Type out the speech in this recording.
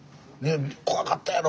怖かったやろ。